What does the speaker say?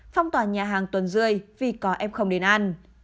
phong tỏa nhà hàng tuần rươi vì có f đến ăn